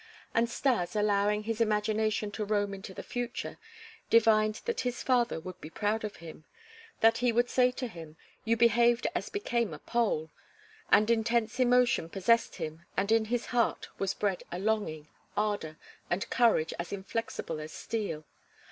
And Stas, allowing his imagination to roam into the future, divined that his father would be proud of him; that he would say to him: "You behaved as became a Pole;" and intense emotion possessed him and in his heart was bred a longing, ardor, and courage as inflexible as steel.